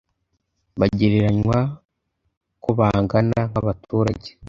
bagereranywa ko bangana nkabaturage